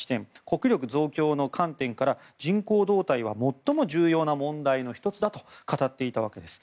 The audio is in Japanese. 国力増強の観点から人口動態は最も重要な問題の１つだと語っていたわけです。